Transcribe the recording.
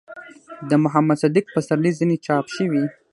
،د محمد صديق پسرلي ځينې چاپ شوي